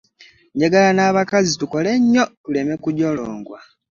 Njagala n'abakazi tukole nyo tuleme kujolongwa.